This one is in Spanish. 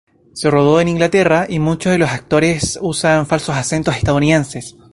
Se rodó en Inglaterra, y muchos de los actores usan falsos acentos estadounidenses.